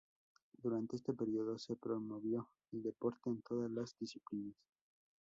Durante este periodo se promovió el deporte en todas las disciplinas.